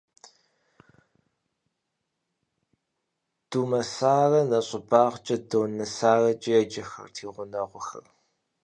Думэсарэ нэщӏыбагъкӏэ «Доннэ Саракӏэ» еджэхэрт и гъунэгъухэр.